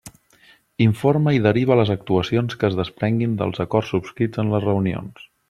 Informa i deriva les actuacions que es desprenguin dels acords subscrits en les reunions.